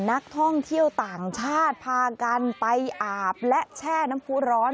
นักท่องเที่ยวต่างชาติพากันไปอาบและแช่น้ำผู้ร้อน